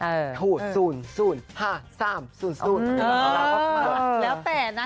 เออแล้วแต่นะ